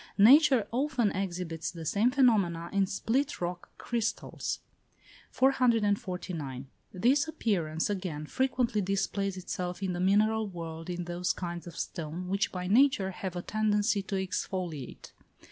Nature often exhibits the same phenomena in split rock crystals. 449. This appearance, again, frequently displays itself in the mineral world in those kinds of stone which by nature have a tendency to exfoliate.